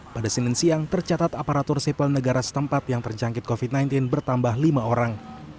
pada senin siang tercatat aparatur sipil negara setempat yang terjangkit covid sembilan belas bertambah lima orang